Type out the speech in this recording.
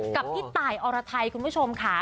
กับพี่ตายอรไทยคุณผู้ชมค่ะ